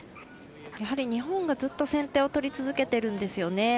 日本がずっと先手を取り続けているんですよね。